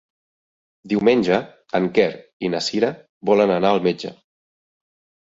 Diumenge en Quer i na Cira volen anar al metge.